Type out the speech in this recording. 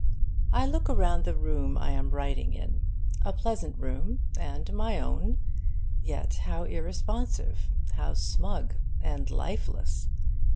I look around the room I am writing in a pleasant room, and my own, yet how irresponsive, how smug and lifeless!